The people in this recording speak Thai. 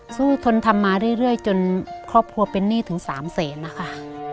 ทนทำมาเรื่อยจนครอบครัวเป็นหนี้ถึง๓แสนนะคะ